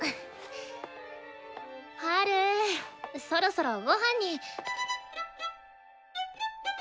ハルそろそろごはんに。